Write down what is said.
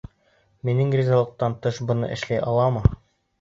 Минең ризалыҡтан тыш быны эшләй аламы?